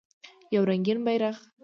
یو رنګین بیرغ